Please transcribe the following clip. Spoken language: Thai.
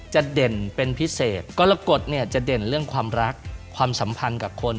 เด่นเป็นพิเศษกรกฎเนี่ยจะเด่นเรื่องความรักความสัมพันธ์กับคน